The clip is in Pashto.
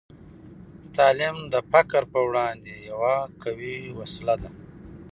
تعلیم د فقر په وړاندې یوه قوي وسله ده.